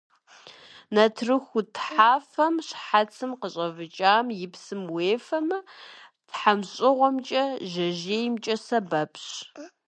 Нартыху тхъафэм, щхьэцым къыщӀэвыкӀам и псым уефэмэ, тхьэмщӀыгъумкӀэ, жьэжьеймкӀэ сэбэпщ.